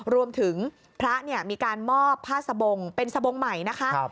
รวมถึงพระมีการมอบผ้าสบงเป็นสบงใหม่นะคะ